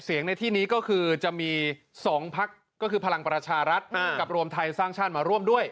เสียงในที่นี้ก็คือจะมี๒พักก็คือพลังประชารัฐกับรวมไทยสร้างชาติมาร่วมด้วย